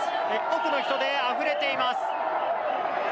多くの人であふれています。